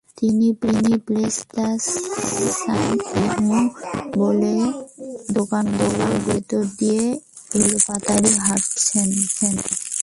তিনি—ব্লেস the sun and moon, বলে দোকানগুলোর ভেতর দিয়ে এলোপাতাড়ি হাঁটছেন।